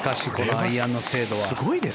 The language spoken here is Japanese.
アイアンの精度は。